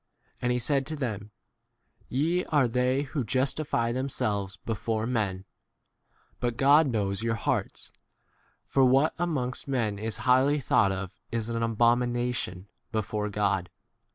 And he said to them, Ye are they who justify themselves before men, but God knows your hearts; for what a mongst men is highly thought of is an abomination before God.